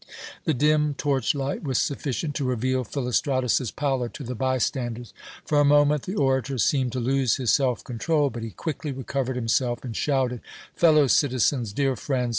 The dim torchlight was sufficient to reveal Philostratus's pallor to the bystanders. For a moment the orator seemed to lose his self control, but he quickly recovered himself, and shouted: "Fellow citizens, dear friends!